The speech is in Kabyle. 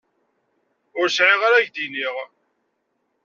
Ur sεiɣ ara k-d-iniɣ.